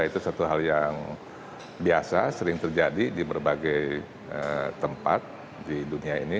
itu satu hal yang biasa sering terjadi di berbagai tempat di dunia ini